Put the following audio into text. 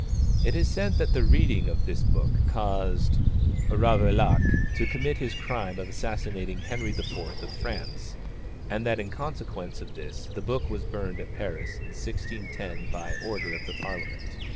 It is said that the reading of this book caused Ravaillac to commit his crime of assassinating Henry IV. of France, and that in consequence of this the book was burned at Paris in 1610 by order of the Parliament.